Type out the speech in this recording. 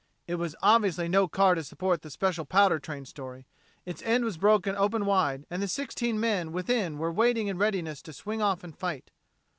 It was obviously no car to support the special powder train story: its end was broken open wide, and the sixteen men within were waiting in readiness to swing off and fight.